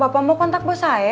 bapak mau kontak bos saeb